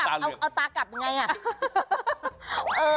แล้วเอาตากลับยังไง